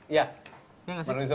iya gak sih